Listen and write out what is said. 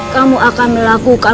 kamu akan melakukan